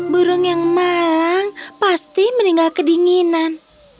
burung yang malang pasti meninggal kedinginan